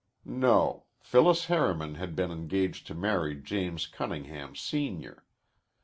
No, Phyllis Harriman had been engaged to marry James Cunningham, Senior.